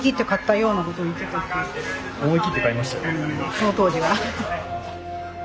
その当時は。